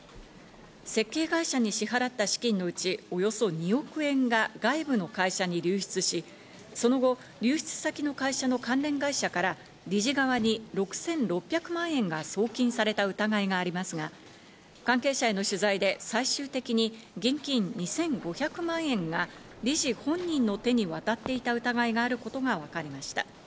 設計会社に支払った資金のうち、およそ２億円が外部の会社に流出し、その後、流出先の会社の関連会社から理事側に６６００万円が送金された疑いがありますが、関係者への取材で最終的に現金２５００万円が理事本人の手に渡っていた疑いがあることが分かりました。